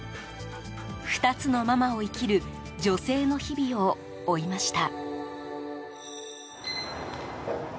２つのママを生きる女性の日々を追いました。